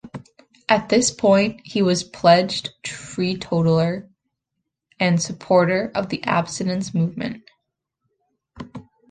At this point he was a pledged teetotaller and supporter of the Abstinence Movement.